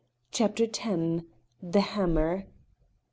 CHAPTER X. THE HAMMER.